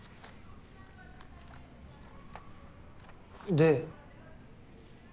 で。